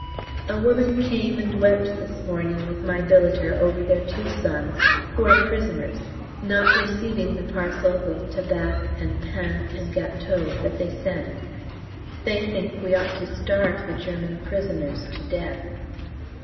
A woman came and wept this morning with my billeter over their two sons, who are prisoners, not receiving the parcels of tabac and pain and gateaux that they send. They think we ought to starve the German prisoners to death!